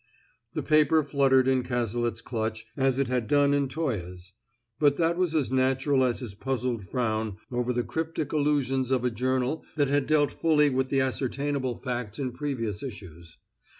The paper fluttered in Cazalet's clutch as it had done in Toye's; but that was as natural as his puzzled frown over the cryptic allusions of a journal that had dealt fully with the ascertainable facts in previous issues.